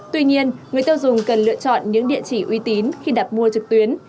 tuy nhiên người tiêu dùng cần lựa chọn những địa chỉ uy tín khi đặt mua trực tuyến